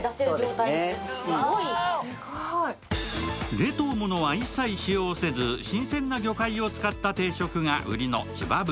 冷凍ものは一切使用せず新鮮な魚介を使った定食が売りの芝文。